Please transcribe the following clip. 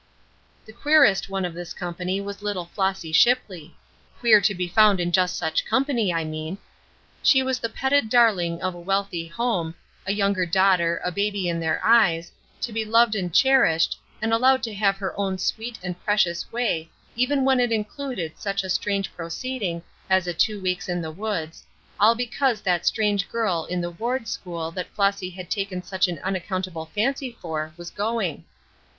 The queerest one of this company was little Flossy Shipley queer to be found in just such company, I mean. She was the petted darling of a wealthy home, a younger daughter, a baby in their eyes, to be loved and cherished, and allowed to have her own sweet and precious way even when it included such a strange proceeding as a two weeks in the woods, all because that strange girl in the ward school that Flossy had taken such an unaccountable fancy for was going.